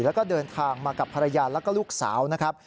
แล้วก็เดินทางมากับภรรยาแล้วก็ลูกสาวนะครับ